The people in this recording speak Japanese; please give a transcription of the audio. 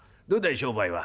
商売は」。